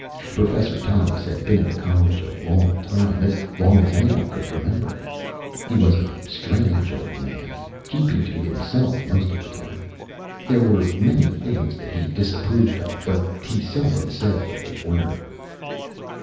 Professor Thomas had been at the College a long time, as long as anyone could remember. He was a strange old man, keeping to himself most of the time. There were many things that he disapproved of, but he seldom said what they were.